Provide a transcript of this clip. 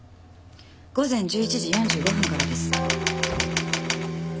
午前１１時４５分からです。